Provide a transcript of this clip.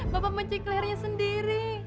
bapak mencik lehernya sendiri